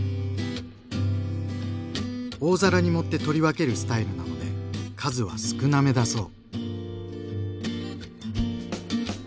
大皿に盛って取り分けるスタイルなので数は少なめだそう。